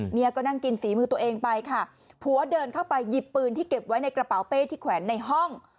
ก็นั่งกินฝีมือตัวเองไปค่ะผัวเดินเข้าไปหยิบปืนที่เก็บไว้ในกระเป๋าเป้ที่แขวนในห้อง